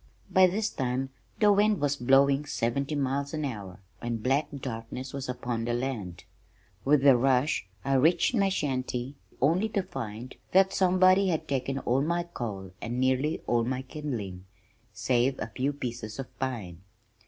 By this time the wind was blowing seventy miles an hour, and black darkness was upon the land. With a rush I reached my shanty only to find that somebody had taken all my coal and nearly all my kindling, save a few pieces of pine.